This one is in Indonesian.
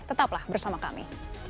tetaplah bersama kami